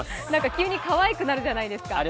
急にかわいくなるじゃないですか。